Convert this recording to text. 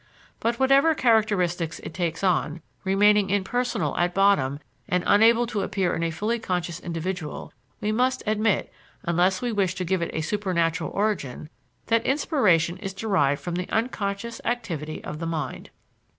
But whatever characteristics it takes on, remaining impersonal at bottom and unable to appear in a fully conscious individual, we must admit, unless we wish to give it a supernatural origin, that inspiration is derived from the unconscious activity of the mind.